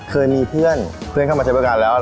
เคยมีเพื่อนเพื่อนเข้ามาใช้บริการแล้ว